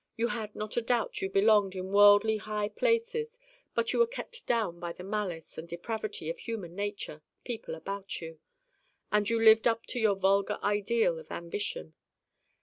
You had not a doubt you belonged in worldly high places but were kept down by the malice and depravity of human nature, people about you. And you lived up to your vulgar ideal of ambition.